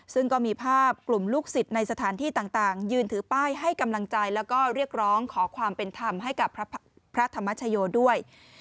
ซึ่งก็มีภาพกลุ่มลูกศิษย์ในสถานที่ต่างยืนถือป้ายให้กำลังใจแล้วก็เรียกร้องขอความเป็นธรรมให้กับพระธรรมชโยด้วย